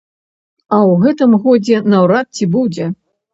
А ў гэтым годзе наўрад ці будзе.